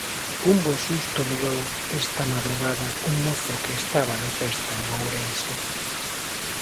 Un bo susto levou esta madrugada un mozo que estaba de festa en Ourense.